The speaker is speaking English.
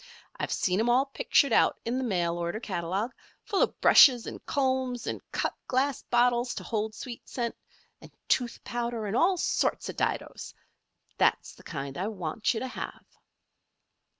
"I've seen 'em all pictured out in the mail order catalogue full of brushes, and combs, and cut glass bottles to hold sweet scent, and tooth powder, and all sorts of didos. That's the kind I want you to have."